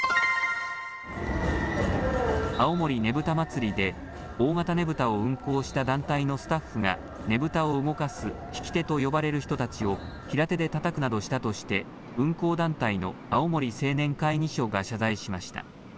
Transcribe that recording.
青森ねぶた祭りで大型ねぶたを運行した団体のスタッフがねぶたを動かす曳き手と呼ばれる人たちを平手でたたくなどしたとして運行団体の青森青年会議所が謝罪しました。